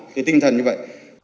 thì tinh thần như vậy